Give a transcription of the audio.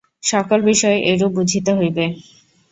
সকল বিষয়ে এইরূপ বুঝিতে হইবে।